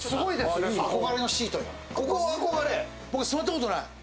僕、座ったことない。